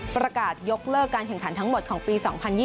ประกาศยกเลิกการแข่งขันทั้งหมดของปี๒๐๒๐